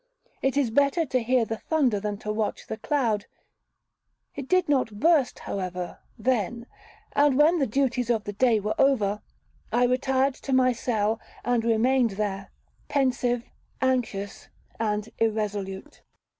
It is better to hear the thunder than to watch the cloud. It did not burst, however, then. And when the duties of the day were over, I retired to my cell, and remained there, pensive, anxious, and irresolute.